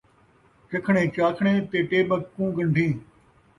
چکھݨے چاکھݨے تے ٹیٻک کوں ڳن٘ڈھیں